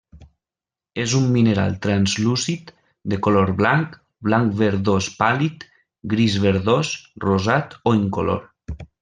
És un mineral translúcid, de color blanc, blanc verdós pàl·lid, gris verdós, rosat o incolor.